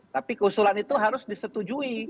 tapi keusulan itu harus disetujui